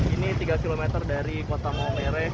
ini tiga km dari kota maumere